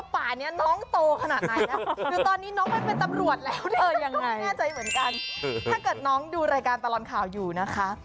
ถ้าเกิดน้องดูรายการปะรอนข่าวอยู่นะคะ